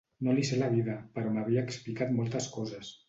No li sé la vida, però m'havia explicat moltes coses.